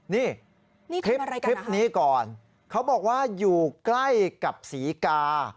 นี่คลิปนี้ก่อนเขาบอกว่าอยู่ใกล้กับศรีกา